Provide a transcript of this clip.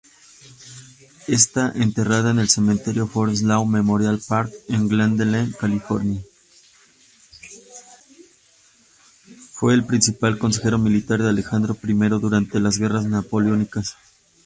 Fue el principal consejero militar de Alejandro I durante las Guerras Napoleónicas.